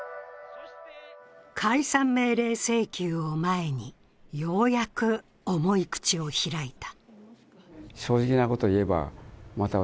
解散命令請求を前に、ようやく重い口を開いた。